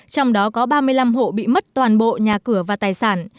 trong đó có ba mươi năm hộ bị mất toàn bộ nhà cửa và tài sản